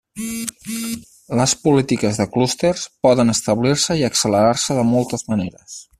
Les polítiques de clústers poden establir-se i accelerar-se de moltes maneres.